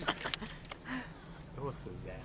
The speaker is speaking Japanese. どうすんだよ？